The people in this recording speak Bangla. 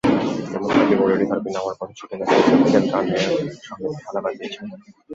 কেমোথেরাপি এবং রেডিওথেরাপি নেওয়ার পরও ছুটে গেছেন, শিল্পীদের গানের সঙ্গে বেহালা বাজিয়েছেন।